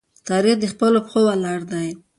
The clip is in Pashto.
تاریخ د خپلو پښو ولاړ دی.